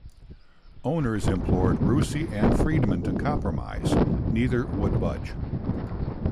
Owners implored Rusie and Freedman to compromise; neither would budge.